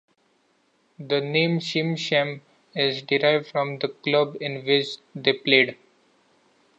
The name Shim Sham is derived from the club in which they played.